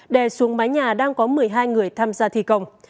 đè xuống mái nhà đang có một mươi hai người tham gia thi công